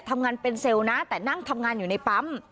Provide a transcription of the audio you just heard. ทำงานเป็นเซลล์นะแต่นั่งทำงานอยู่ในปั๊ม